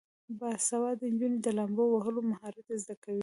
باسواده نجونې د لامبو وهلو مهارت زده کوي.